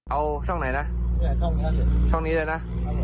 เอาช่องไหนนะช่องนี้เลยนะ